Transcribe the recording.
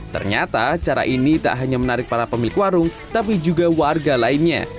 ternyata cara ini tak hanya menarik para pemilik warung tapi juga warga lainnya